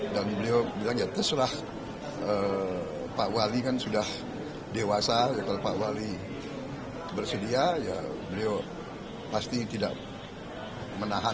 dan beliau bilang ya terserah pak wali kan sudah dewasa kalau pak wali bersedia beliau pasti tidak menahan